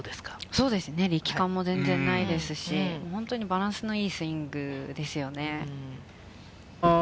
そうですね、力感も全然ないですし、本当にバランスのいいスイングですよね。